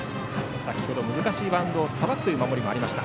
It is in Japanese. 先ほど難しいバウンドをさばくという守りもありました。